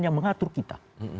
yang mengatur kita